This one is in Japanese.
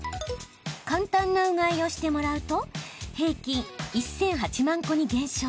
簡単なうがいをしてもらうと平均１００８万個に減少。